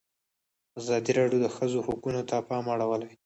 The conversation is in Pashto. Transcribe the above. ازادي راډیو د د ښځو حقونه ته پام اړولی.